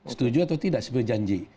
setuju atau tidak sebagai janji